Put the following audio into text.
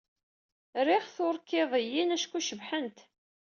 Riɣ turkidiyin acku cebḥent.